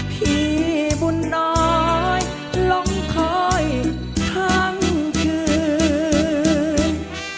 พี่บุญน้อยลงคอยทั้งคืน